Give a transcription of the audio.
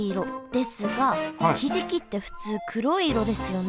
ですがひじきって普通黒い色ですよね？